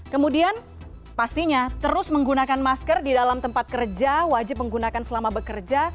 kemudian pastinya terus menggunakan masker di dalam tempat kerja wajib menggunakan selama bekerja